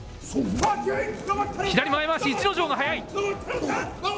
左前まわし、逸ノ城が速い。